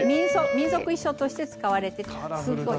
民族衣装として使われてすごい。